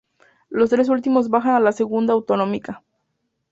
Los tres últimos bajan a la Segunda Autonómica.